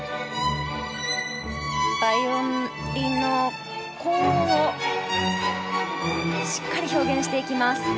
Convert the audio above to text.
バイオリンの高音をしっかりと表現していきます。